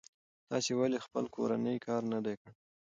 تاسې ولې خپل کورنی کار نه دی کړی؟